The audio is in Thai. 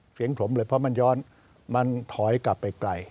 เสียงผมเลยเพราะมันย้อนมันถอยกลับไปไกล